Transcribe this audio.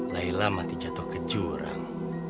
laila mati jatuh ke jurang